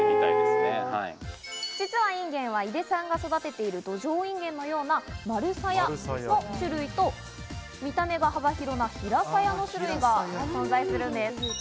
実はインゲンは井出さんが育てているドジョウインゲンのような丸サヤという種類と見た目は幅広な平サヤの種類が存在するんです。